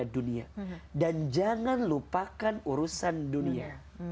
dan jangan lupakan urusan dunia